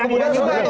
bukan ya nanti dulu